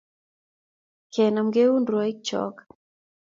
kenam keun rwoik chok